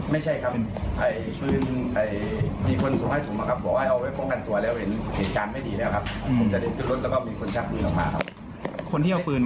ไม่ใช่ครับพื้น